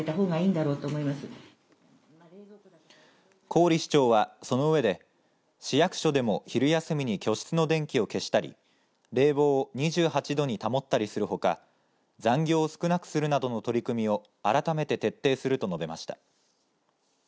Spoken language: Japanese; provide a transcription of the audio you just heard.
郡市長はその上で市役所でも昼休みに居室の電気を消したり冷房を２８度に保ったりするほか残業を少なくするなどの取り組みをあらためて徹底すると述べました。